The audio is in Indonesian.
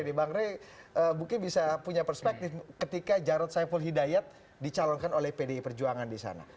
di bangre mungkin bisa punya perspektif ketika jarod saiful hidayat dicalonkan oleh pdi perjuangan disana